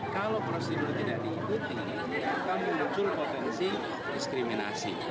kalau prosedur tidak diikuti akan muncul potensi diskriminasi